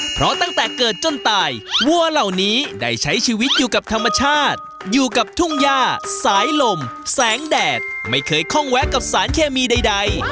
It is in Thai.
เพราะตั้งแต่เกิดจนตายวัวเหล่านี้ได้ใช้ชีวิตอยู่กับธรรมชาติอยู่กับทุ่งย่าสายลมแสงแดดไม่เคยคล่องแวะกับสารเคมีใด